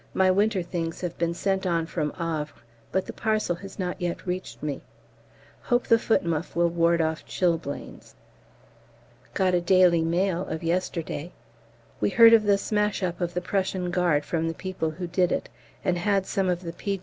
My winter things have been sent on from Havre, but the parcel has not yet reached me; hope the foot muff will ward off chilblains. Got a 'Daily Mail' of yesterday. We heard of the smash up of the Prussian Guard from the people who did it, and had some of the P.